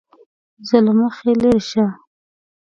زه له مخې لېرې شه!